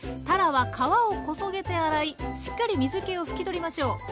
たらは皮をこそげて洗いしっかり水けを拭き取りましょう。